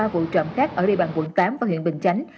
ba vụ trộm khác ở địa bàn quận tám và huyện bình chánh